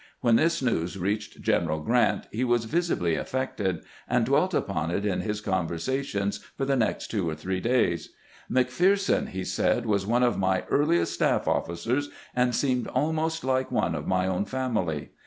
When this news reached General Grant he was visibly gbant's tkeatment of his generals 245 affected, and dwelt upon it in Ms conversations for the next two or three days. " McPherson," he said, " was one of my earliest staff ofl&cers, and seemed almost like one of my own family.